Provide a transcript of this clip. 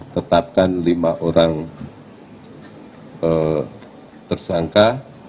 tetapkan lima orang tersangka